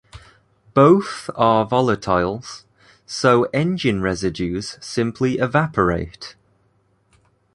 Both are volatiles, so engine residues simply evaporate.